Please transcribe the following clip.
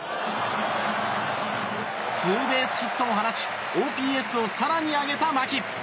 ツーベースヒットを放ちＯＰＳを更に上げた牧。